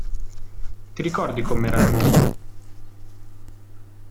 Ti ricordi com'era il mondo?